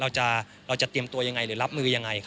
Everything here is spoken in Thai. เราจะเตรียมตัวยังไงหรือรับมือยังไง